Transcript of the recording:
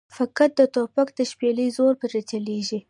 فقط د توپک د شپېلۍ زور پرې چلېږي.